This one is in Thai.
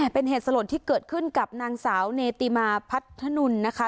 เป็นเหตุสลดที่เกิดขึ้นกับนางสาวเนติมาพัฒนุนนะคะ